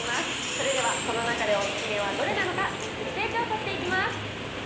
それでは、この中でお勧めはどれなのか、徹底調査していきます。